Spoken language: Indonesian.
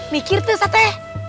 mikir tuh sate